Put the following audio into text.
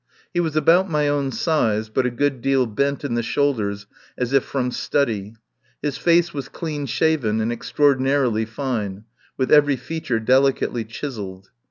He was about my own size, but a good deal bent in the shoulders as if from study. His face was clean shaven and extraordinarily.fine, with every feature delicately chiselled.